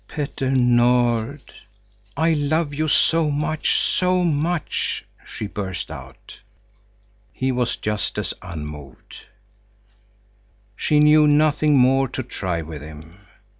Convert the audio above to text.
"Petter Nord, I love you so much, so much!" she burst out. He was just as unmoved. She knew nothing more to try with him.